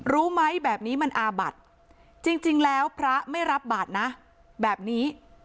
รู้ไหมแบบนี้มันอาบัติจริงแล้วพระไม่รับบาทนะแบบนี้